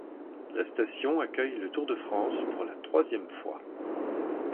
La station accueille le Tour de France pour la troisième fois.